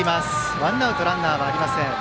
ワンアウトランナーはありません。